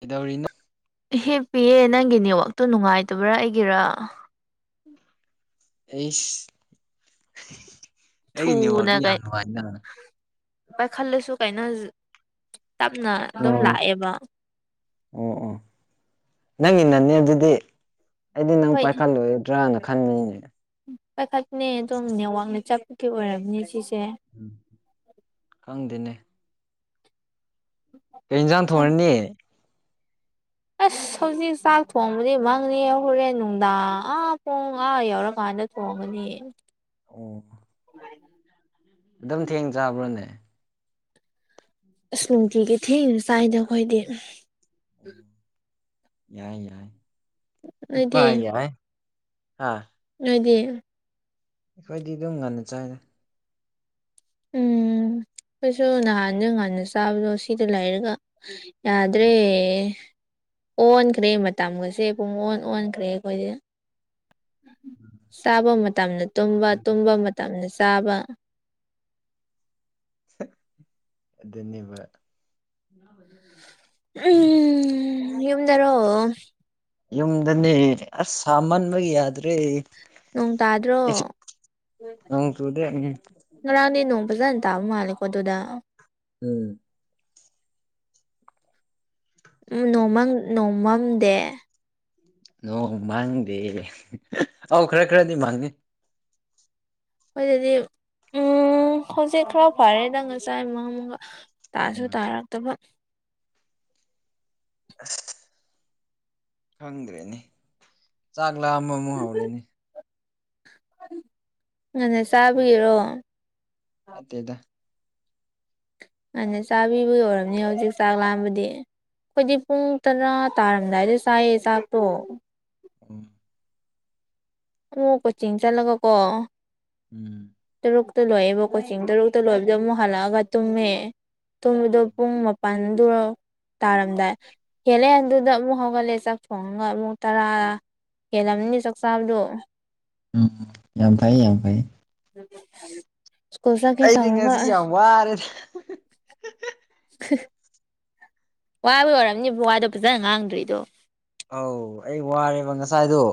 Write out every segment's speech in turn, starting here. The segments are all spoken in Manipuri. ꯀꯗꯧꯔꯤꯅꯣ ꯍꯦꯞ ꯄꯤꯌꯦ ꯅꯪꯒꯤ ꯅꯦꯠꯋꯥꯛꯇꯨ ꯅꯨꯡꯉꯥꯏꯇꯕ꯭ꯔꯥ ꯑꯩꯒꯤꯔꯥ ꯑꯦ ꯊꯨꯅꯒꯥꯏ ꯑ ꯈꯜꯂꯁꯨꯒꯥꯏꯅꯖ ꯇꯞꯅ ꯑꯗꯨꯝ ꯑꯣ ꯂꯥꯛꯑꯦꯕ ꯑꯣ ꯑꯣ ꯅꯪꯒꯤ ꯅꯅꯦ ꯑꯗꯨꯗꯤ ꯑꯩꯗꯤ ꯅꯪ ꯑꯩꯈꯣꯏ ꯄꯥꯏꯈꯠꯂꯒꯗ꯭ꯔꯅ ꯈꯟꯕꯅꯦ ꯄꯥꯏꯈꯠꯅꯦ ꯑꯗꯨꯝ ꯅꯦꯠꯋꯥꯛꯅ ꯆꯠꯄꯒꯤ ꯑꯣꯏꯔꯕꯅꯦ ꯁꯤꯁꯦ ꯎꯝ ꯈꯪꯗꯦꯅꯦ ꯀꯟꯖꯥꯟ ꯈꯪ ꯊꯣꯡꯅꯤ ꯑꯁ ꯍꯧꯖꯤꯛ ꯆꯥꯛ ꯊꯣꯡꯕꯗꯤ ꯃꯪꯉ ꯍꯣꯔꯦꯟ ꯅꯨꯡꯗꯥꯡ ꯑꯥ ꯄꯣꯡ ꯑꯥ ꯌꯧꯔꯀꯥꯟꯗ ꯊꯣꯟꯒꯅꯤ ꯑꯣ ꯑꯗꯨꯝ ꯊꯦꯡ ꯆꯥꯕ꯭ꯔꯣꯅꯦ ꯑ ꯅꯨꯡꯇꯤꯒꯤ ꯊꯤꯅ ꯆꯥꯏꯗ ꯑꯩꯈꯣꯏꯗꯤ ꯌꯥꯏ ꯌꯥꯏ ꯏꯄꯥ ꯅꯣꯏꯗꯤ ꯌꯥꯏ ꯍꯥ ꯑꯗꯨꯣꯏꯗꯤ ꯑꯩꯈꯣꯏꯗꯤ ꯑꯗꯨꯝ ꯉꯟꯅ ꯆꯥꯏꯔꯦ ꯎꯝ ꯑꯩꯈꯣꯏꯁꯨ ꯅꯍꯥꯟꯁꯨ ꯉꯥꯟꯟꯅ ꯆꯥꯕꯗꯣ ꯁꯤꯗ ꯂꯩꯔꯒ ꯌꯥꯗ꯭ꯔꯦ ꯑꯣꯟꯈ꯭ꯔꯦ ꯃꯇꯝꯒꯁꯦ ꯄꯨꯡ ꯑꯣꯟ ꯑꯣꯟꯈ꯭ꯔꯦ ꯑꯩꯈꯣꯏꯗꯤ ꯆꯥꯕ ꯃꯇꯝꯗ ꯇꯨꯝꯕ ꯇꯨꯝꯕ ꯃꯇꯝꯗ ꯆꯥꯕ ꯟꯕꯗ ꯎꯝ ꯌꯃꯗꯔꯣ ꯌꯨꯝꯗꯅꯦ ꯑꯁ ꯁꯥꯃꯟꯕ ꯌꯥꯗ꯭ꯔꯦ ꯅꯣꯡ ꯇꯥꯗ꯭ꯔꯣ ꯑꯩꯁꯨ ꯅꯣꯡ ꯆꯨꯗꯦ ꯎꯝ ꯔꯥꯅꯤ ꯅꯍ ꯄꯨꯖꯅꯤ ꯊꯥꯕ ꯍꯥꯂꯦꯀ ꯑꯗꯨꯗꯨꯗ ꯎꯝ ꯅꯃ ꯅꯣꯡꯃꯝꯗꯦ ꯅꯣꯡ ꯃꯥꯡꯗꯦ ꯑꯧ ꯈꯔ ꯈꯔꯗꯤ ꯃꯥꯡꯉꯦ ꯑꯗꯨꯣꯏꯗꯗꯤ ꯎ ꯍꯧꯖꯤꯛ ꯈꯔ ꯐꯔꯦ ꯅꯪ ꯉ ꯆꯥꯏ ꯑꯃ ꯑꯃꯒ ꯇꯥꯁꯨ ꯎꯝ ꯇꯥꯔꯛꯇꯕ ꯈꯪꯗ꯭ꯔꯦꯅꯦ ꯆꯥꯛ ꯂꯥꯑ ꯑꯃ ꯑꯃꯨꯛ ꯍꯧꯔꯦꯅꯦ ꯑꯗꯨꯅꯦ ꯆꯥꯕꯔꯣ ꯅꯥꯇꯦꯗꯥ ꯃꯥꯥꯟꯅ ꯆꯥꯕꯤꯕꯒꯤ ꯑꯣꯏꯔꯝꯅꯤ ꯍꯧꯖꯤꯛ ꯆꯥꯛ ꯂꯥꯝꯕꯗꯤ ꯑꯩꯈꯣꯏꯗꯤ ꯄꯨꯡ ꯇꯔꯥ ꯇꯥꯔꯝꯗꯥꯏꯗ ꯆꯥꯏꯌꯦ ꯆꯥꯛꯇꯣ ꯎꯝ ꯑꯃ ꯀꯣꯆꯤꯡ ꯆꯠꯂꯒ ꯀꯣ ꯎꯝ ꯇꯔꯨꯛꯇ ꯂꯣꯏꯌꯦꯦꯕ ꯀꯣꯆꯤꯡ ꯇꯔꯨꯛꯇ ꯂꯣꯏꯕꯗ ꯑꯃꯨꯛ ꯍꯜꯂꯛꯑꯒ ꯇꯨꯝꯉꯦ ꯇꯣꯝꯕꯗꯣ ꯄꯨꯡ ꯃꯥꯄꯜꯗꯨꯔ ꯇꯥꯔꯝꯗꯥꯏ ꯍꯦꯜꯂꯦ ꯑꯗꯨꯗ ꯑꯃꯨꯛ ꯍꯧꯒꯠꯂꯦ ꯆꯥꯛ ꯊꯣꯡꯉꯒ ꯑꯃꯨꯛ ꯇꯔꯥ ꯍꯦꯜꯂꯝꯅꯤ ꯆꯥꯛ ꯆꯥꯕꯗꯣ ꯎꯝ ꯌꯥꯝ ꯐꯩ ꯌꯥꯝ ꯐꯩꯌꯦ ꯁꯀꯨꯜ ꯆꯒꯦ ꯑꯩꯗꯤ ꯇꯧꯔ ꯉꯁꯤ ꯌꯥꯝ ꯋꯥꯔꯦꯗ [unintelligible] ꯋꯥꯕ ꯑꯣꯏꯔꯝꯅꯤ ꯋꯥꯗꯣ ꯐꯖꯅ ꯉꯥꯡꯗ꯭ꯔꯤꯗꯣ ꯑꯧ ꯑꯩ ꯋꯥꯔꯦꯕ ꯉꯁꯥꯏꯗꯨꯣ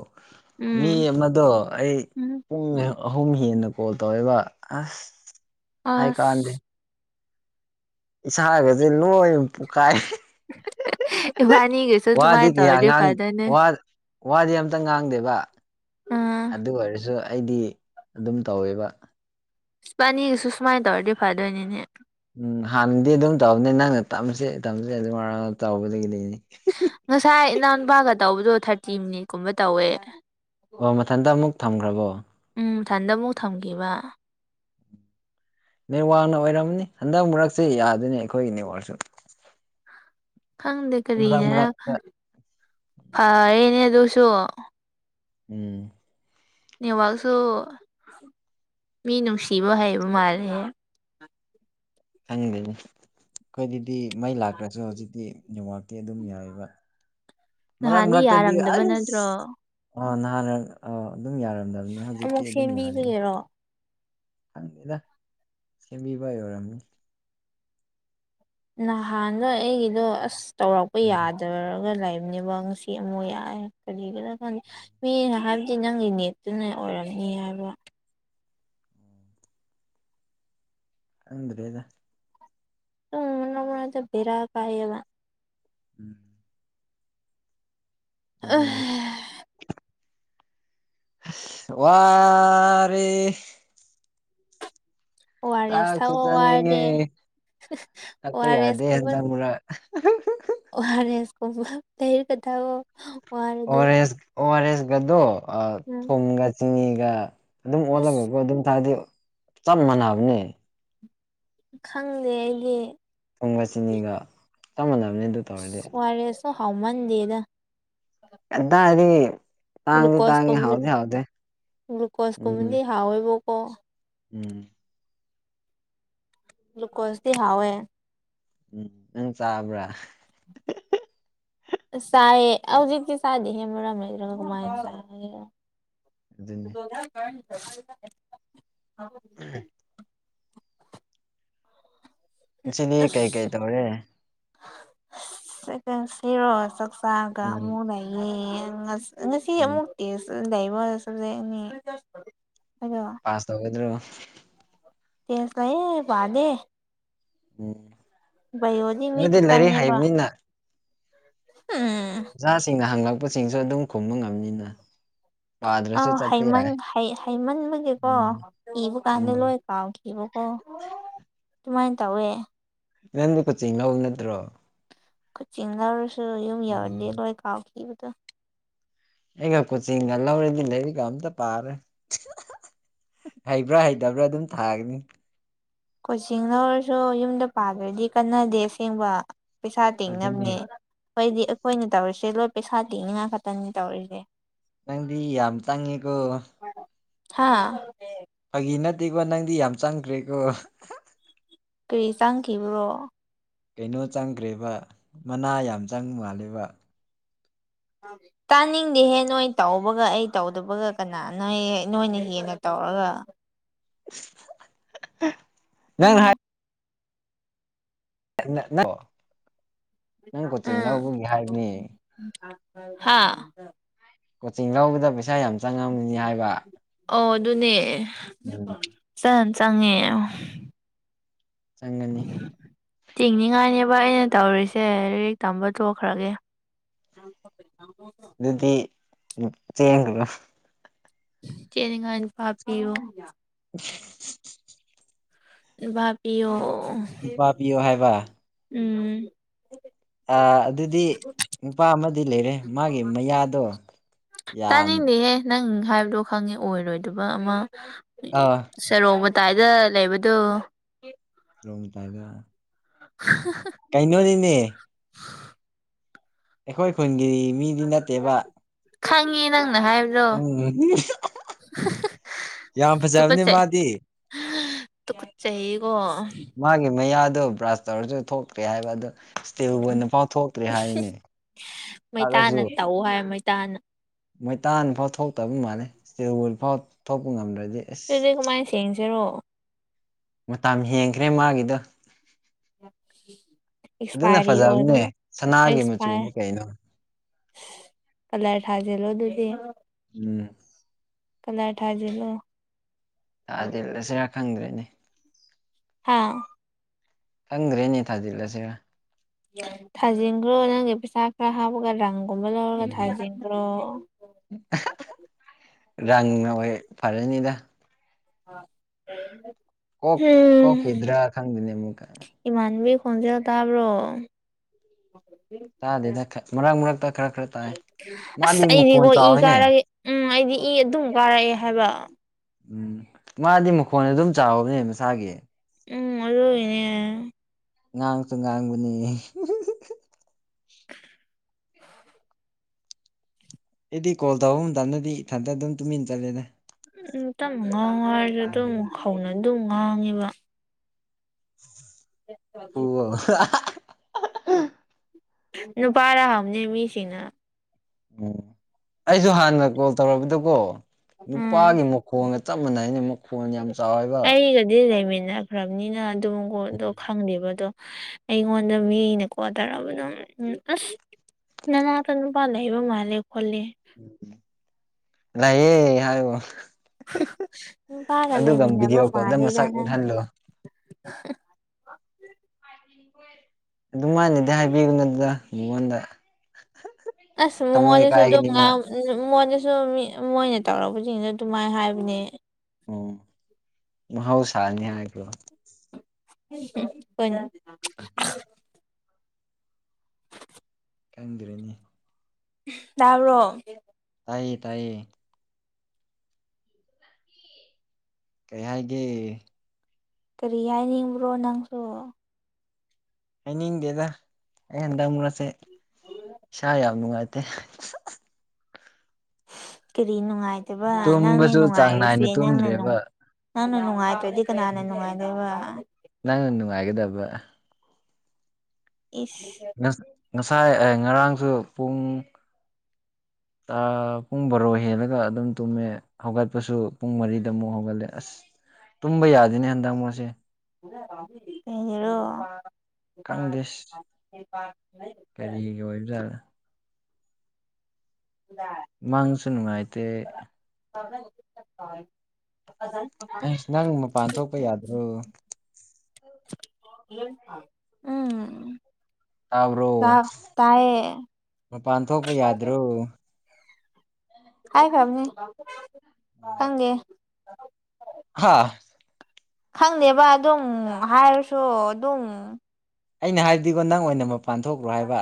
ꯃꯤ ꯎꯝ ꯑꯃꯗꯣ ꯑꯩ ꯎꯝ ꯄꯨꯡ ꯑꯍꯨꯝ ꯍꯦꯟꯅ ꯀꯣꯜ ꯇꯧꯋꯦꯕ ꯑꯁ ꯍꯥꯏ ꯀꯥꯟꯗꯦ ꯑꯁ ꯏꯁꯥꯔꯒꯁꯦ ꯂꯣꯏ ꯄꯈꯥꯏ ꯚꯥꯏ ꯋꯥꯗꯤ ꯀꯌꯥꯥꯡ ꯋꯥꯗꯤ ꯑꯝꯇ ꯉꯥꯡꯗꯦꯕ ꯑꯥ ꯑꯗꯨ ꯑꯣꯏꯔꯁꯨ ꯑꯩꯗꯤ ꯑꯗꯨꯝ ꯇꯧꯋꯦꯕ ꯄꯥꯅꯤꯒꯤꯁꯨ ꯁꯨꯃꯥꯏꯅ ꯇꯧꯔꯗꯤ ꯐꯗꯣꯏꯅꯤꯅꯦ ꯎꯝ ꯍꯥꯟꯅꯗꯤ ꯑꯗꯨꯝ ꯇꯧꯕꯅꯦ ꯅꯪꯅ ꯇꯝꯁ ꯇꯝꯁꯦ ꯑꯗꯨ ꯇꯧꯕꯗꯒꯤꯗꯤꯅꯤ ꯉꯁꯥꯏ ꯏꯅꯥꯎ ꯅꯨꯄꯥꯒ ꯇꯧꯕꯗꯣ ꯊꯥꯔꯇꯤ ꯃꯤꯅꯤꯠ ꯀꯨꯝꯕ ꯇꯧꯋꯦ ꯑꯣ ꯃꯊꯟꯇ ꯑꯃꯨꯛ ꯊꯝꯈ꯭ꯔꯕꯣ ꯎꯝ ꯏꯊꯟꯗ ꯑꯃꯨꯛ ꯊꯝꯈꯤꯕ ꯃꯦꯦꯜ ꯋꯥꯡꯅ ꯑꯣꯏꯔꯝꯅꯤ ꯍꯟꯗꯛ ꯃꯔꯨꯔꯛꯁꯦ ꯌꯥꯗꯣꯏꯅꯤ ꯑꯩꯈꯣꯏꯒꯤꯅꯦ ꯑꯣꯏꯔꯁꯨ ꯈꯪꯗꯦ ꯃꯔꯛ ꯀꯔꯤꯅꯔ ꯃꯔꯛꯇ ꯐꯔꯦꯅꯦ ꯑꯗꯨꯁꯨ ꯎꯝ ꯅꯦꯋꯥꯛꯁꯨ ꯃꯤ ꯅꯨꯡꯁꯤꯕ ꯍꯥꯏꯩꯕ ꯃꯥꯜꯂꯦꯦ ꯈꯪꯅꯤꯡꯅꯤ ꯑꯩꯈꯣꯏꯗꯗꯤ ꯃꯩ ꯂꯥꯛꯇ꯭ꯔꯁꯨ ꯍꯧꯖꯤꯛꯇꯤ ꯌꯉꯥꯛꯀꯤꯦ ꯑꯗꯨꯝ ꯌꯥꯏꯕ ꯃꯔꯛ ꯅꯍꯥꯟꯗꯤ ꯃꯔꯛꯇꯗꯤ ꯌꯥꯔꯝꯗꯕ ꯑꯁ ꯅꯠꯇ꯭ꯔꯣ ꯑ ꯅꯍꯥꯟ ꯑ ꯑꯗꯨꯝ ꯌꯥꯔꯝꯗꯕꯅꯦ ꯍꯧꯖꯤꯛꯇꯤ ꯑꯃꯨꯛ ꯑꯗꯨꯝ ꯌꯥꯔꯦ ꯁꯦꯝꯕꯤꯕꯒꯤꯔꯣ ꯈꯪꯉꯦꯅ ꯁꯦꯝꯕꯤꯕ ꯑꯣꯏꯔꯝꯃꯤ ꯅꯍꯥꯟꯗꯣ ꯑꯩꯒꯤꯗꯣ ꯑꯁ ꯇꯧꯔꯛꯄ ꯎꯝ ꯌꯥꯗꯔꯒ ꯂꯩꯕꯅꯦꯕ ꯉ ꯑꯃ ꯌꯥ ꯀꯔꯤ ꯀ ꯊ ꯃꯤ ꯍꯥꯏꯕꯗꯤ ꯅꯪꯒꯤ ꯅꯦꯠꯇꯨꯅ ꯑꯣꯏꯔꯝꯅꯤ ꯍꯥꯏꯕ ꯑꯗꯨꯗ꯭ꯔꯦꯗ ꯃꯅ ꯃꯅꯗ ꯕꯔ ꯀꯥꯏꯌꯦꯕ ꯎꯝ ꯑꯗꯨꯅꯤ ꯑ ꯋꯥꯔꯦ ꯑꯣ ꯑꯥꯔ ꯑꯦꯁ ꯆꯥꯛꯁꯨ ꯊꯛꯑꯣ ꯆꯥꯅꯤꯡꯉꯦ ꯋꯥꯔꯗꯤ ꯑꯣ ꯇꯛꯄ ꯑꯥꯔ ꯌꯥꯗꯦ ꯍꯟꯗ ꯃꯨꯔꯥ ꯑꯣꯍꯔꯦꯁꯀ ꯇꯔ ꯀꯗ ꯑꯣꯥꯔ ꯑꯦꯁ ꯑꯣ ꯑꯥꯔ ꯑꯦꯁꯒꯗ ꯎꯝ ꯊꯨꯝꯒ ꯆꯤꯅꯤꯒ ꯑꯗꯨꯝ ꯑꯁ ꯑꯣꯜꯂꯒꯀꯣ ꯑꯗꯨꯝ ꯊꯔꯗꯤ ꯆꯞ ꯃꯥꯟꯅꯕꯅꯦ ꯈꯪꯗꯦ ꯑꯩꯗꯤ ꯊꯨꯝꯒ ꯆꯤꯅꯤꯒ ꯆꯞꯃꯥꯟꯅꯕꯅꯤ ꯑꯗꯨ ꯇꯧꯔꯗꯤ ꯁ ꯋꯥꯔꯤꯔꯦꯁꯨ ꯍꯥꯎꯃꯟꯗꯦꯗ ꯑꯗꯥ ꯍꯥꯏꯔꯤ ꯇꯥꯡꯗꯤ ꯇꯥꯡꯤ ꯒ꯭ꯂꯨꯀꯣꯁꯀꯨꯝꯕ ꯍꯥꯎꯗꯤ ꯍꯥꯎꯗꯦ ꯎꯝ ꯊꯥꯎ ꯑꯣꯏꯕ ꯀꯣ ꯎꯝ ꯒ꯭ꯂꯨꯀꯣꯁꯗꯤ ꯍꯥꯎ ꯑꯦ ꯎꯝ ꯎꯝ ꯆꯥꯕ꯭ꯔꯥ ꯆꯥꯏ ꯍꯧꯖꯤꯛꯀꯤ ꯁꯥꯗꯤ ꯍꯦ ꯑꯃ ꯔꯥꯏꯩ ꯇ ꯀ ꯃꯥꯥꯏ ꯆ ꯑꯗꯨꯅꯤ [unintelligible] ꯎꯝ ꯁꯤꯗꯤ ꯀꯩ ꯀꯩ ꯇꯧꯔꯦ ꯁꯤꯔꯣ ꯆꯥꯛꯆꯥꯒ ꯎꯝ ꯑꯃꯨꯛꯗ ꯌꯦꯡ ꯉꯁꯤ ꯎꯝ ꯑꯃꯨꯛꯇꯤ ꯂꯩꯕ ꯁꯕꯖꯦꯛꯅꯤ ꯍꯥꯏꯗꯣ ꯄꯥꯁ ꯇꯧꯒꯗ꯭ꯔꯣ ꯇꯁꯥꯏ ꯐꯗꯦ ꯎꯝ ꯕꯥꯏꯌꯣꯗꯤ ꯃꯤ ꯑꯗꯨꯗꯤ ꯂꯥꯏꯔꯤꯛ ꯈꯤꯇꯪꯅꯦꯕ ꯍꯩꯕꯅꯤꯅ ꯎꯝ ꯑꯣꯖꯥꯁꯤꯡꯅ ꯍꯪꯂꯛꯄꯁꯤꯡꯁꯨ ꯑꯗꯨꯝ ꯈꯨꯝꯕ ꯉꯝꯅꯤꯅ ꯄꯥꯗ꯭ꯔꯁꯨ ꯆꯠꯄ ꯑꯃꯟ ꯌꯥꯏ ꯍꯩꯃꯟꯕꯒꯤꯀꯣ ꯎꯝ ꯏꯕ ꯀꯥꯟꯗ ꯎꯝ ꯂꯣꯏ ꯄꯥꯎꯈꯤꯕꯀꯣ ꯑꯗꯨꯃꯥꯏꯅ ꯇꯧꯋꯦ ꯅꯪꯗꯤ ꯀꯣꯆꯤꯡ ꯂꯧꯕ ꯅꯠꯇ꯭ꯔꯣ ꯆꯤꯡꯅꯔꯁꯨ ꯌꯨꯝ ꯌꯧꯟꯗꯦ ꯎꯝ ꯂꯣꯏ ꯀꯥꯎꯈꯤꯕꯗꯣ ꯑꯩꯒ ꯀꯣꯆꯤꯡꯒ ꯂꯧꯔꯗꯤ ꯂꯩꯔꯤꯒ ꯑꯝꯇ ꯄꯥꯔꯦ ꯍꯩꯕ꯭ꯔꯥ ꯍꯩꯇꯕ꯭ꯔꯥ ꯑꯗꯨꯝ ꯊꯥꯒꯅꯤ ꯀꯣꯆꯤꯡꯅ ꯑꯣꯏꯔꯁꯨ ꯌꯨꯝꯗ ꯄꯥꯗ꯭ꯔꯗꯤ ꯀꯟꯅꯗꯦ ꯑꯁꯦꯡꯕ ꯄꯩꯁꯥ ꯑꯗꯨꯅꯦ ꯇꯤꯡꯅꯕꯅꯦ ꯍꯣꯏꯗꯤ ꯑꯩꯈꯣꯏꯅ ꯇꯧꯔꯤꯁꯦ ꯂꯣꯏ ꯄꯩꯁꯥ ꯇꯤꯡꯅꯤꯡꯉꯥꯏ ꯈꯛꯇꯅꯤ ꯇꯧꯔꯤꯁꯦ ꯆꯪꯗꯤ ꯌꯥꯝ ꯆꯥꯡꯉꯀ ꯍꯥꯥ ꯐꯥꯒꯤ ꯅꯠꯇꯦꯀꯣ ꯅꯪꯗꯤ ꯌꯥꯝ ꯆꯪꯈ꯭ꯔꯦꯀꯣ ꯀꯔꯤ ꯆꯪꯈꯤꯕ꯭ꯔꯣ ꯀꯩꯅꯣ ꯆꯪꯈ꯭ꯔꯦꯕ ꯃꯅꯥ ꯌꯥꯝ ꯆꯪ ꯃꯥꯜꯂꯦꯕ ꯑꯗꯨ ꯇꯥꯅꯤꯡꯗꯦꯍꯦ ꯅꯣꯏ ꯇꯧꯕꯒ ꯑꯩ ꯇꯧꯗꯕꯒ ꯀꯅꯥꯅꯣꯏ ꯅꯣꯏꯅ ꯍꯦꯟꯅ ꯇꯧꯔꯒ ꯅꯪ ꯍꯥꯏ ꯎꯝ ꯅꯪ ꯀꯣꯆꯤꯡ ꯂꯧꯕꯒꯤ ꯍꯥꯏꯕꯅꯤ ꯍꯥꯥ ꯀꯣꯆꯤꯡ ꯂꯧꯕꯗ ꯄꯩꯁꯥ ꯌꯥꯝ ꯆꯪꯉꯝꯅꯤ ꯍꯥꯏꯕ ꯑꯣ ꯑꯗꯨꯅꯦ ꯎꯝ ꯆ ꯆꯪꯉꯦ ꯆꯪꯒꯅꯤ ꯆꯤꯡꯅꯤꯉꯥꯏꯅꯦꯕ ꯑꯩꯅ ꯇꯧꯔꯤꯁꯦ ꯂꯥꯏꯔꯤꯛ ꯇꯝꯕ ꯇ ꯊꯣꯛꯈ꯭ꯔꯒꯦ [inaudible] ꯑꯗꯨꯗꯤ ꯆꯦꯡꯈ꯭ꯔꯣ [unintelligible] ꯆꯦꯅꯤꯉꯥꯏ ꯅꯨꯄꯥ ꯄꯤꯌꯣ ꯑ [inaudible] ꯚꯥꯕꯤꯤ ꯑꯣ ꯅꯨꯄꯥ ꯄꯤꯌꯣ ꯍꯥꯏꯕ ꯎꯝ ꯑꯗꯨꯗꯤ ꯅꯨꯄꯥ ꯑꯃꯗꯤ ꯂꯩꯔꯦ ꯃꯥꯒꯤ ꯃꯌꯥꯗꯣ ꯌꯥꯝ ꯇꯥꯅꯤꯡꯗꯦꯍꯦ ꯅꯪ ꯍꯥꯏꯕꯗꯣ ꯈꯪꯉꯤ ꯑꯣꯏꯔꯣꯏꯗꯕ ꯑꯃ ꯑꯥ ꯁꯦꯔꯣꯡ ꯃꯇꯥꯏꯗ ꯂꯩꯕꯗꯣ ꯔꯣꯡꯝ ꯇꯗ [unintelligible] ꯀꯥꯏꯩꯅꯅꯣꯅꯤꯅꯦ [unintelligible] ꯑꯩꯈꯣꯏ ꯈꯨꯟꯒꯤ ꯃꯤꯗꯤ ꯅꯠꯇꯦꯕ ꯈꯪꯉꯦ ꯅꯪꯅ ꯍꯥꯏꯕ ꯎꯝ ꯌꯥꯝ ꯐꯖꯕꯅꯤ ꯃꯥꯗꯤ ꯇꯨꯀꯨꯠꯆꯩꯑꯀꯣ ꯃꯥꯒꯤ ꯃꯌꯥꯗꯣ ꯕ꯭ꯔꯁ ꯇꯧꯔꯁꯨ ꯊꯣꯛꯇ꯭ꯔꯦ ꯍꯥꯏꯕ ꯑꯗꯣ ꯏꯁꯇꯤꯕꯣꯏ [unintelligible] ꯅꯄꯥ ꯊꯣꯛꯇ꯭ꯔꯦ ꯍꯥꯏꯅꯤ ꯇꯒꯁꯨ ꯃꯩꯇꯥꯅ ꯍꯥꯏ [unintelligible] ꯇꯥꯟ ꯃꯩꯇꯥꯟ ꯐꯥꯎ ꯊꯣꯛꯇꯕ ꯃꯥꯜꯂꯦ ꯏꯁꯇꯤꯜ ꯋꯨꯜ ꯐꯥꯎ ꯊꯣꯛꯄ ꯉꯝꯗ꯭ꯔꯗꯤ ꯑꯁ ꯑꯗꯨꯗꯤ ꯀꯃꯥꯏ ꯁꯦꯡꯖꯦꯔꯣ ꯃꯇꯝ ꯍꯦꯟꯈ꯭ꯔꯦ ꯃꯥꯒꯤꯗꯣ ꯑꯗꯨꯅ ꯑꯦꯛꯁꯄꯥꯏꯔꯤ ꯑꯣꯏ ꯐꯖꯕꯅꯦ ꯁꯅꯥꯒꯤ ꯑꯦꯄꯔ ꯃꯆꯨꯅꯤ ꯀꯩꯅꯣ ꯀꯂꯔ ꯊꯥꯖꯤꯜꯂꯣ ꯑꯗꯨꯗꯤ ꯎꯝ ꯀꯂꯔ ꯊꯖꯤꯂꯣ ꯇꯥꯖꯤꯜꯂꯁꯤꯔ ꯈꯪꯗ꯭ꯔꯦꯅꯦ ꯍꯥꯥ ꯈꯪꯗ꯭ꯔꯦꯅꯦ ꯊꯥꯖꯤꯜꯂꯁꯤꯔꯥ ꯊꯥꯖꯤꯟꯈ꯭ꯔꯣ ꯅꯪꯒꯤ ꯄꯩꯁꯥ ꯈꯔ ꯍꯥꯞꯄꯒ ꯔꯪꯒꯨꯝꯕ ꯂꯧꯔꯒ ꯎꯝ ꯊꯥꯖꯤꯟꯈ꯭ꯔꯣ ꯔꯪꯅ ꯍꯣꯏ ꯐꯔꯅꯤꯗ ꯑ [inaudible] ꯀꯣ ꯀꯣ ꯍꯤꯗ꯭ꯔꯥ ꯈꯪꯗꯦꯅꯦ ꯃꯨꯛꯀ ꯏꯃꯥꯟꯕꯤ ꯈꯣꯟꯖꯦꯜ ꯇꯥꯕ꯭ꯔꯣ ꯇꯥꯗꯦꯗ ꯃꯔꯛ ꯃꯔꯛꯇ ꯈꯔ ꯈꯔ ꯇꯥꯏ ꯑꯁ ꯃꯥꯗꯤ ꯃꯈꯣꯟ ꯑꯩꯗꯤꯀꯣ ꯏ ꯆꯥꯎꯋꯤꯅꯦ ꯀꯥꯔꯒꯦ ꯎꯝ ꯑꯩꯗꯤ ꯏ ꯑꯗꯨꯝ ꯀꯥꯔꯛꯑꯦ ꯍꯥꯏꯕ ꯎꯝ ꯃꯥꯗꯤ ꯃꯈꯣꯟ ꯑꯗꯨꯝ ꯆꯥꯎꯕꯅꯦ ꯃꯁꯥꯒꯤ ꯎꯝ ꯑꯗꯨꯏꯅꯦ ꯉꯥꯡꯁꯨ ꯉꯥꯡꯕꯅꯤ ꯑꯦꯗꯤ ꯀꯣꯜ ꯇꯧꯕ ꯃꯇꯝꯗꯗꯤ ꯏꯊꯟꯇ ꯑꯗꯨꯝ ꯇꯨꯃꯤꯟ ꯆꯠꯂꯦꯗ ꯇꯞꯅ ꯉꯥꯡꯉꯣ ꯍꯥꯏꯔꯖꯨ ꯑꯗꯨꯝ ꯀꯧꯅ ꯑꯗꯨꯝ ꯉꯥꯡꯉꯦꯕ ꯑꯣ [unintelligible] ꯅꯨꯄꯥꯔꯥ ꯍꯪꯕꯅꯦ ꯃꯤꯁꯤꯅ ꯎꯝ ꯑꯩꯁꯨ ꯍꯥꯟꯅ ꯀꯣꯜ ꯇꯧꯔꯕꯗꯀꯣ ꯎꯝ ꯅꯨꯄꯥꯒꯤ ꯃꯈꯣꯡ ꯆꯞꯃꯟꯅꯩꯅ ꯃꯨꯛ ꯑꯩꯒꯗꯤ ꯂꯩꯃꯤꯟꯅꯈ꯭ꯔꯕꯅꯤꯅ ꯑꯗꯨꯝ ꯒꯣꯟꯗꯣ [inaudible] ꯈꯪꯗꯦꯕ ꯑꯗꯣ ꯑꯩꯉꯣꯟꯗ ꯃꯤꯅꯀꯣ ꯇꯔꯕ ꯑꯗꯨꯝ ꯎꯝ ꯑꯁ ꯅꯅꯥꯛꯇ ꯅꯨꯄꯥ ꯂꯩꯕ ꯃꯥꯂꯦ ꯈꯣꯂꯦ ꯂꯩꯌꯦ ꯍꯥꯏ ꯅꯨꯄꯒ ꯂꯩꯃꯤꯟꯅꯕ ꯚꯤꯗꯤꯑꯣ ꯀꯣꯜꯗ ꯃꯥꯂꯦꯗ ꯃꯁꯛ ꯅꯪ ꯎꯠꯍꯜꯂꯣ ꯑꯗꯨ ꯃꯥꯅꯗꯤ ꯍꯥꯏꯕꯤꯒꯨꯅꯨꯗ ꯃꯉꯣꯟꯗ ꯑꯁ ꯊꯃꯣꯏ ꯃꯉꯣꯟꯗꯁꯨ ꯑꯗꯨꯝ ꯀꯥꯏꯒꯅꯤ ꯃꯥ ꯉꯥꯎ ꯃꯣꯏꯗꯁꯨ ꯃꯤ ꯃꯣꯏꯅ ꯇꯧꯔꯛꯄꯁꯤꯡꯗ ꯑꯗꯨꯃꯥꯏꯅ ꯍꯥꯏꯕꯅꯦ ꯎꯝ ꯃꯍꯧꯁꯥꯥꯅꯤ ꯍꯥꯏ [unintelligible] ꯀ [unintelligible] ꯀꯗꯔꯅꯤ [unintelligible] ꯇꯥꯕ꯭ꯔꯣ ꯇꯥꯏꯌꯦ ꯇꯥꯏꯌꯦ ꯀꯩ ꯍꯥꯏꯒꯦ ꯀꯔꯤ ꯍꯥꯏꯅꯤꯡꯕ꯭ꯔꯣ ꯅꯪꯁꯨ ꯍꯥꯏꯅꯤꯡꯗꯦꯗ ꯑꯩ ꯍꯟꯗꯛ ꯑꯃꯨꯔꯁꯦ ꯏꯁꯥ ꯌꯥꯝ ꯅꯨꯡꯉꯥꯏꯇꯦ ꯀꯔꯤ ꯅꯨꯡꯉꯥꯏꯇꯕ ꯅꯪꯅꯦ ꯇꯨꯝꯕꯁꯨ ꯆꯥꯡ ꯅꯨꯡꯉꯥꯏꯔꯤꯁꯦ ꯅꯥꯏꯅ ꯅꯪꯅ ꯇꯨꯝꯗ꯭ꯔꯦꯕ ꯅꯪꯅ ꯅꯨꯡꯉꯥꯏꯇ꯭ꯔꯗꯤ ꯀꯅꯥꯅ ꯅꯨꯡꯉꯥꯏꯗꯣꯏꯕ ꯅꯪ ꯅ ꯅꯨꯉꯥꯏꯒꯗꯕ ꯏꯁ ꯉꯁꯥꯏ ꯉꯔꯥꯡꯁꯨ ꯄꯨꯡ ꯥ ꯄꯨꯡ ꯕꯔꯣ ꯍꯦꯜꯂꯒ ꯑꯗꯨꯝ ꯇꯨꯝꯃꯦ ꯍꯧꯒꯠꯄꯁꯨ ꯄꯨꯡ ꯃꯔꯤꯗ ꯑꯃꯨꯛ ꯍꯧꯒꯠꯂꯦ ꯑꯁ ꯇꯨꯝꯕ ꯌꯥꯗꯅꯦ ꯍꯟꯗꯛ ꯃꯣꯏꯁꯦ ꯍꯔꯣ ꯈꯪꯗꯦ [unintelligible] ꯑꯣꯏꯕꯖꯔ ꯗ ꯃꯥꯡꯁꯨ ꯅꯨꯡꯉꯥꯏꯇꯦ ꯀꯖꯟ ꯑꯁ ꯅꯪ ꯃꯄꯥꯟ ꯊꯣꯛꯄ ꯌꯥꯗ꯭ꯔꯣ ꯎꯝ ꯇꯥꯕ꯭ꯔꯣ ꯇꯥ ꯇꯥꯏꯌꯦ ꯃꯄꯥꯟ ꯊꯣꯛꯄ ꯌꯥꯗ꯭ꯔꯣ ꯍꯥꯏꯈ꯭ꯔꯕꯅꯤ ꯈꯪꯗꯦ ꯍꯥꯥ ꯈꯪꯅꯦꯕ ꯑꯗꯨꯝ ꯍꯥꯏꯔꯁꯨ ꯑꯗꯨꯝ ꯑꯩꯅ ꯍꯥꯏꯕꯗꯤꯀꯣ ꯅꯪ ꯑꯣꯏꯅ ꯃꯄꯥꯟ ꯊꯣꯛ꯭ꯔꯣ ꯍꯥꯏꯕ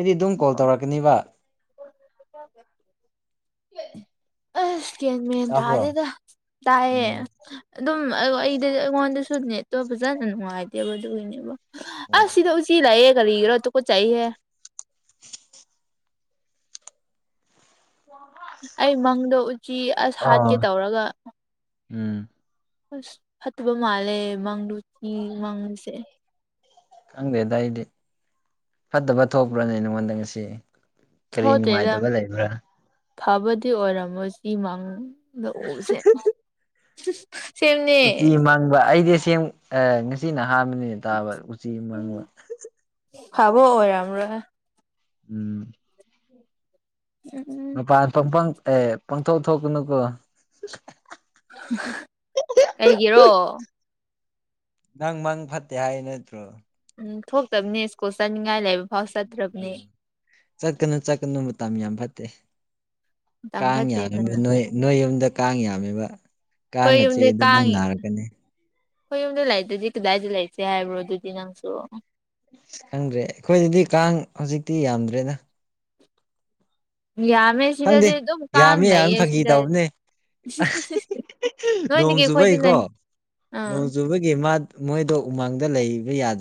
ꯑꯩꯗꯤ ꯑꯗꯨꯝ ꯀꯣꯜ ꯇꯧꯔꯛꯀꯅꯤꯕ [unintelligible] ꯑꯁ ꯒꯤꯌꯥꯜ ꯃꯦꯜ ꯇꯥꯕ꯭ꯔꯣ ꯇꯗꯦꯗ ꯇꯥꯏꯌꯦ ꯎꯝ ꯑꯗꯨꯝ ꯑꯩꯗ ꯑꯩꯉꯣꯟꯗꯁꯨ ꯅꯦꯠꯇꯣ ꯐꯖꯅ ꯅꯨꯡꯉꯥꯏꯇꯦꯕ ꯑꯗꯨꯒꯤꯅꯦꯕ ꯑꯣ ꯑꯁ ꯁꯤꯗ ꯁꯤ ꯂꯥꯏꯑꯦ ꯀꯔꯤꯒꯤꯔ ꯇꯨꯀꯠꯆꯩꯍꯦ ꯑꯩ ꯃꯪꯗꯣ ꯎꯆꯤ ꯑꯁ ꯍꯥꯠꯀꯦ ꯑꯥ ꯇꯧꯔꯒ ꯎꯝ ꯑꯁ ꯐꯠꯇꯕ ꯃꯥꯜꯂꯦ ꯃꯪꯗꯨ ꯆꯤ ꯃꯪꯉꯁꯦ ꯈꯪꯗꯦꯗ ꯑꯩꯗꯤ ꯐꯠꯇꯕ ꯊꯣꯛꯄ꯭ꯔꯣꯅꯦ ꯅꯉꯣꯟꯗ ꯉꯁꯤ ꯀꯔꯤ ꯊꯣꯠꯇꯦꯗ ꯅꯨꯡꯉꯥꯏꯇꯕ ꯂꯩꯕ꯭ꯔꯥ ꯐꯕꯗꯤ ꯑꯣꯏꯔꯝꯃꯣꯏ ꯁꯤ ꯃꯥꯡ ꯁꯦ [unintelligible] ꯎꯇꯤ ꯃꯪꯕ ꯑꯩꯗꯤ ꯑꯁꯦꯡ ꯉꯁꯤꯅ ꯑꯍꯥꯟꯕꯅꯦ ꯐꯕ ꯑꯣꯏꯔ ꯑꯃꯔ ꯎꯝ ꯎꯝ ꯃꯄꯥꯟ ꯄꯪꯄꯪ ꯑ ꯄꯪꯊꯣꯛ ꯊꯣꯛꯀꯅꯨꯀꯣ ꯀꯩꯒꯤꯔꯣ ꯅꯪ ꯃꯪ ꯐꯠꯇꯦ ꯍꯥꯏ ꯅꯠꯇ꯭ꯔꯣ ꯎꯝ ꯊꯣꯛꯇꯕꯅꯤ ꯁ꯭ꯀꯨꯜ ꯆꯠꯅꯤꯡꯉꯥꯏ ꯂꯩꯕ ꯐꯥꯎ ꯆꯠꯇ꯭ꯔꯕꯅꯤ ꯎꯝ ꯆꯠꯀꯅꯨ ꯆꯠꯀꯅꯨ ꯃꯇꯝ ꯌꯥꯝ ꯐꯠꯇꯦ ꯃꯇꯝ ꯀꯥꯡ ꯐꯠꯇꯦ ꯌꯥꯝꯃꯤꯕ ꯀꯅꯥ ꯅꯣꯏ ꯅꯣꯏ ꯌꯨꯝꯗ ꯀꯥꯡ ꯌꯥꯝꯃꯤꯕ ꯑꯩꯈꯣꯏ ꯀꯥꯡꯒ ꯆꯤꯛꯑꯗꯤ ꯅꯪ ꯅꯥꯔꯛꯀꯅꯤ ꯈꯣꯏ ꯌꯨꯝꯗ ꯂꯩꯇꯗꯤ ꯀꯗꯥꯏꯗ ꯂꯩꯁꯦ ꯍꯥꯏꯕ꯭ꯔꯣ ꯑꯗꯨꯗꯤ ꯅꯪꯁꯨ ꯈꯪꯗ꯭ꯔꯦ ꯑꯩꯈꯣꯏꯗꯗꯤ ꯀꯥꯡ ꯍꯧꯖꯤꯛꯇꯤ ꯌꯥꯝꯗ꯭ꯔꯦꯗ ꯈꯪꯗꯦ ꯌꯥꯝꯃꯦꯁꯤꯗꯗꯤꯦ ꯑꯗꯨ ꯀꯥꯥꯟ ꯌꯥꯝꯃꯤ ꯌꯥꯝꯃꯤ ꯐꯥꯒꯤ ꯂꯩꯏꯁꯤꯗ ꯇꯧꯕꯅꯦ ꯅꯣꯡ ꯅꯣꯏꯗꯒꯤ ꯑꯩꯈꯣꯏꯗꯅ ꯆꯨꯕꯩꯀꯣ ꯑꯥ ꯅꯣꯡ ꯆꯨꯕꯒꯤ ꯃꯣꯏꯗꯣ ꯎꯃꯥꯡꯗ ꯂꯩꯕ ꯌꯥꯗꯦ